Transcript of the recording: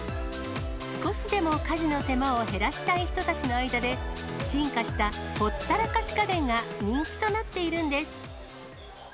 少しでも家事の手間を減らしたい人たちの間で、進化したほったらかし家電が人気となっているんです。